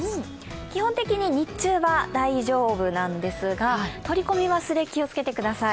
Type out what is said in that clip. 基本的に日中は大丈夫なんですが取り込み忘れ気をつけてください。